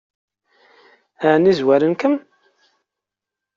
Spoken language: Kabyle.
Ɛni zwaren-kem?